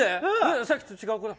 さっきと違う子？